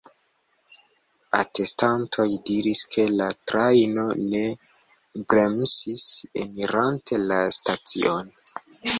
Atestantoj diris, ke la trajno ne bremsis enirante la stacion.